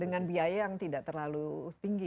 dengan biaya yang tidak terlalu tinggi